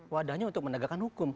wadahnya untuk menegakkan hukum